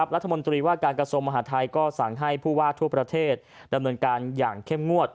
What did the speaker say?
รัฐมนตรีว่าการกระทรวงมหาทัยก็สั่งให้ผู้ว่าทั่วประเทศดำเนินการอย่างเข้มงวด